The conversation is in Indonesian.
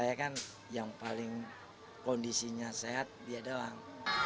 saya kan yang paling kondisinya sehat dia doang